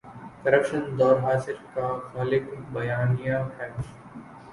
Corruption دور حاضر کا غالب بیانیہ ہے۔